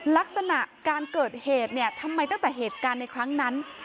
ลักษณะการเกิดเหตุเนี่ยทำไมตั้งแต่เหตุการณ์ในครั้งนั้น